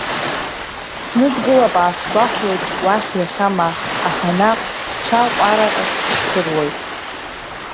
Сныдгылап аасгәахәлоит уахь иахьа ма, аха наҟ, ҽа ҟәарак ахь сырлоит.